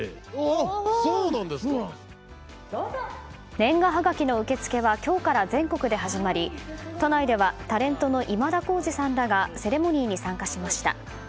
年賀はがきの受け付けは今日から全国で始まり都内ではタレントの今田耕司さんらがセレモニーに参加しました。